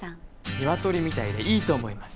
ニワトリみたいでいいと思います。